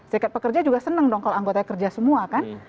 serikat pekerja juga senang dong kalau anggotanya kerja semua kan